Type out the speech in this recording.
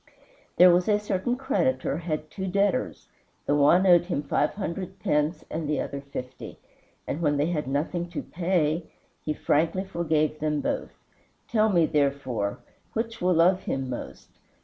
There was a certain creditor had two debtors; the one owed him five hundred pence and the other fifty, and when they had nothing to pay he frankly forgave them both. Tell me, therefore, which will love him most.